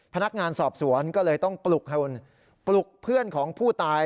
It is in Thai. พนักงานสอบสวนก็เลยต้องปลุกเพื่อนของผู้ตาย